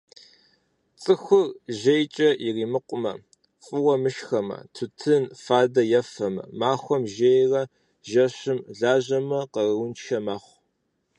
Цӏыхур жейкӀэ иримыкъумэ, фӏыуэ мышхэмэ, тутын, фадэ ефэмэ, махуэм жейрэ жэщым лажьэмэ къарууншэ мэхъу.